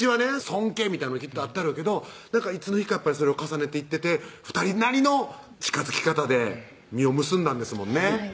尊敬みたいなんきっとあったやろうけどいつの日かそれを重ねていってて２人なりの近づき方で実を結んだんですもんね